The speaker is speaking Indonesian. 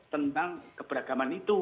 tentang keberagaman itu